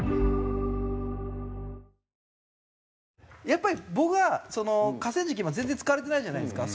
やっぱり僕は河川敷今全然使われてないじゃないですか。